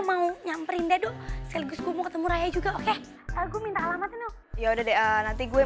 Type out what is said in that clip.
mau nyamperin dado seligus gue mau ketemu raya juga oke aku minta alamat yaudah deh nanti gue